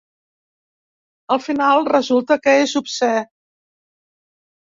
Al final resulta que és obscè.